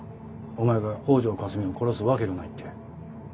お前が北條かすみを殺すわけがないって。